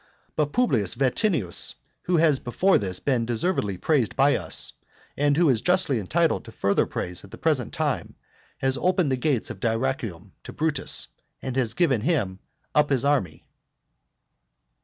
But Publius Vatinius, who has before this been deservedly praised by us, and who is justly entitled to further praise at the present time, has opened the gates of Dyrrachium to Brutus, and has given him up his army.